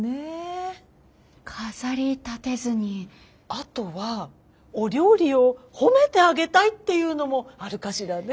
あとはお料理を褒めてあげたいっていうのもあるかしらね。